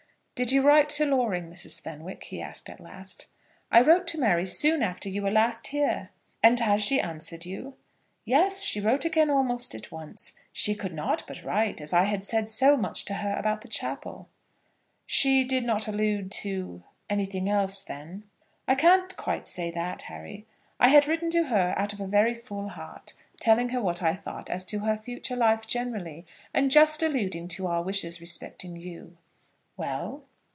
"Did you write to Loring, Mrs. Fenwick?" he asked at last. "I wrote to Mary soon after you were last here." "And has she answered you?" "Yes; she wrote again almost at once. She could not but write, as I had said so much to her about the chapel." "She did not allude to anything else, then?" "I can't quite say that, Harry. I had written to her out of a very full heart, telling her what I thought as to her future life generally, and just alluding to our wishes respecting you." "Well?"